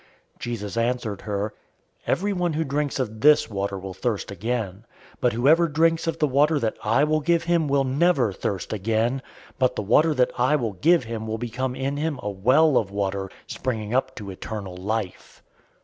004:013 Jesus answered her, "Everyone who drinks of this water will thirst again, 004:014 but whoever drinks of the water that I will give him will never thirst again; but the water that I will give him will become in him a well of water springing up to eternal life."